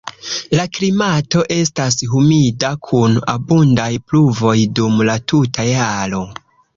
La klimato estas humida kun abundaj pluvoj dum la tuta jaro.